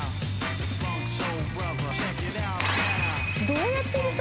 どうやって入れた？